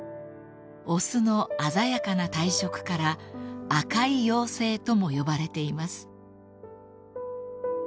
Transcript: ［雄の鮮やかな体色から赤い妖精とも呼ばれています］